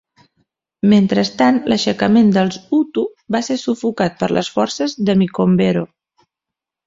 Mentrestant, l"aixecament dels hutu va ser sufocat per les forces de Micombero.